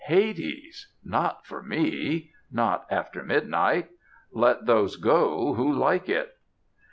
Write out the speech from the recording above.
Hades! Not for me; not after midnight! Let those go who like it.